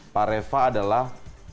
pak reva adalah